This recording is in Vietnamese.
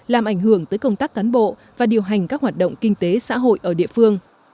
làm ảnh hưởng tới công tác cán bộ và điều hành các hoạt động kinh tế xã hội ở địa phương